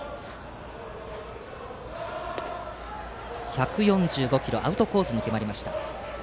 １４５キロ、アウトコースに決まりました。